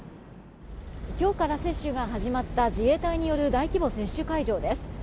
今日から接種が始まった自衛隊による大規模接種会場です。